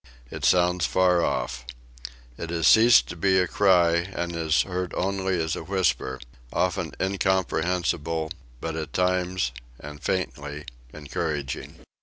It sounds far off. It has ceased to be a cry, and is heard only as a whisper, often incomprehensible, but at times and faintly encouraging.